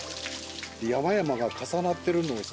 山々が重なってるのをさ